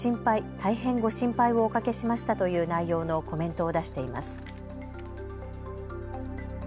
大変ご心配をおかけしましたという内容のコメントを出しています。